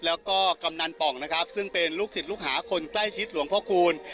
แล้วก็กำนันป่องนะครับซึ่งเป็นลูกศิษย์ลูกหาคนใกล้ชิดหลวงพ่อคูณ